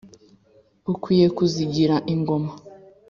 Ukwiye kuzigira, ingoma